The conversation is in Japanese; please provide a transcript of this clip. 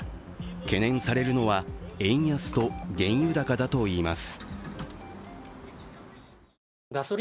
懸念されるのは円安と原油高だといいます。